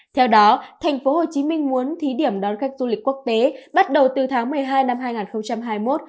theo đó thành phố hồ chí minh muốn thí điểm đón khách du lịch quốc tế bắt đầu từ tháng một mươi hai năm hai nghìn hai mươi một